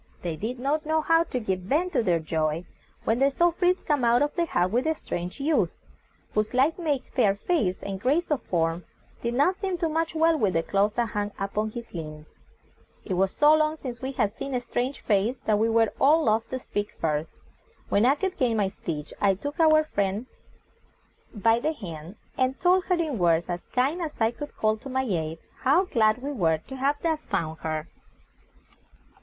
They did not know how to give vent to their joy when they saw Fritz come out of the hut with a strange youth, whose slight make, fair face, and grace of form, did not seem to match well with the clothes that hung upon his limbs. It was so long since we had seen a strange face, that we were all loth to speak first. When I could gain my speech I took our new friend by the hand, and told her in words as kind as I could call to my aid, how, glad we were to have thus found her.